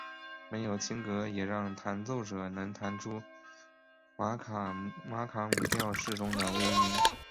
没有琴格也让弹奏者能弹出玛卡姆调式中的微音。